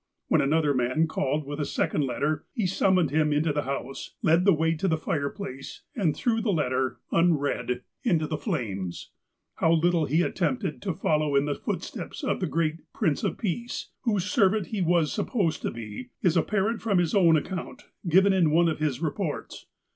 When another man called with a second letter, he sum moned him into the house, led the way to the fireplace, and threw the letter, unread, into the flames. How little he attempted to follow in the footsteps of the great Prince of Peace, whose servant he was supposed to be, is apparent from his own account, given in one of his reports.